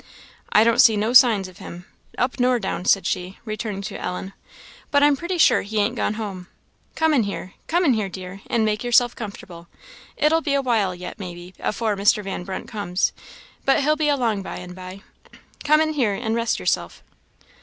"I don't see no signs of him up nor down," said she, returning to Ellen; "but I'm pretty sure he ain't gone home. Come in here come in here, dear, and make yourself comfortable; it'll be a while yet, maybe, afore Mr. Van Brunt comes, but he'll be along by and by; come in here and rest yourself."